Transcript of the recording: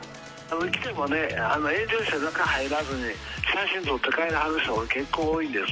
来てもね、遠慮して中入らずに、写真撮って帰らはる人が結構多いんです。